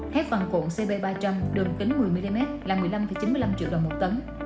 thép vàng cuộn cp ba trăm linh đường kính một mươi mm là một mươi năm chín mươi năm triệu đồng một tấn